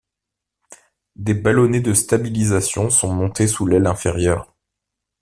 Des ballonnets de stabilisation sont montés sous l'aile inférieure.